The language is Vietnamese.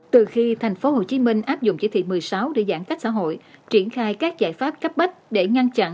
từ khi tp hcm áp dụng chỉ thị một mươi sáu để giãn cách xã hội triển khai các giải pháp cấp bách để ngăn chặn